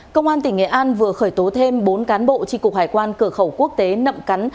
công an tỉnh nghệ an vừa khởi tố thêm bốn cán bộ tri cục hải quan cửa khẩu quốc tế nậm cắn